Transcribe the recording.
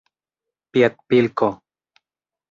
piedpilko